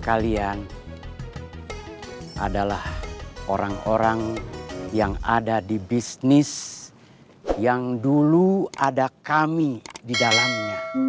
kalian adalah orang orang yang ada di bisnis yang dulu ada kami di dalamnya